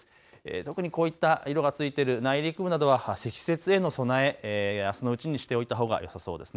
特にこういった色がついてる内陸部などは積雪への備え、あすのうちにしておいたほうがよさそうですね。